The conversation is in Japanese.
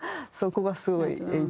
そこがすごい。